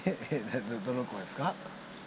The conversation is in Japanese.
えっどの娘ですか？